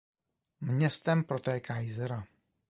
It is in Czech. Městem protéká Jizera.